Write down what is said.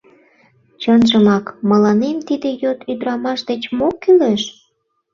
Чынжымак, мыланем тиде йот ӱдырамаш деч мо кӱлеш?